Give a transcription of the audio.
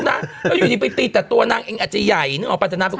น่ะแล้วอยู่นี่ไปตีแต่ตัวนั่งเองอาจจะใหญ่เนอะปัจจันทร์